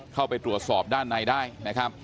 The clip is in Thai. เข้าไปตรวจสอบด้านในได้นะครับ